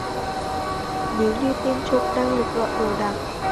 Nếu như tên trộm đang lục lọi đồ đạc